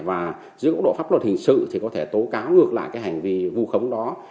và dưới góc độ pháp luật hình sự thì có thể tố cáo ngược lại cái hành vi vu khống đó